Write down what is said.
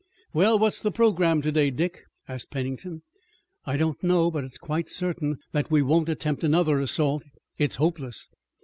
"Well, what's the program today, Dick?" asked Pennington. "I don't know, but it's quite certain that we won't attempt another assault. It's hopeless."